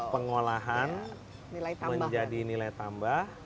pengolahan menjadi nilai tambah